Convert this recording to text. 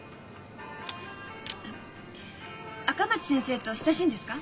赤松先生と親しいんですか？